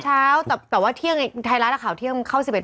เช้าแต่ว่าเที่ยงไทยรัฐข่าวเที่ยงเข้า๑๑